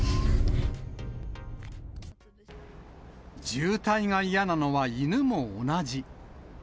渋滞が嫌なのは犬も同じ。